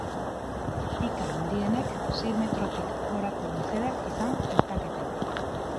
Pika handienek, sei metrotik gorako luzera izan zezaketen.